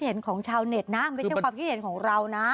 ของชาวเน็ตนะไม่ใช่ความคิดเห็นของเรานะ